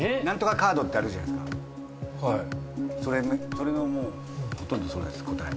それのもうほとんどそれです答え。